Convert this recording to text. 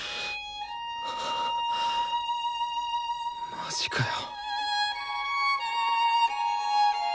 ・マジかよ。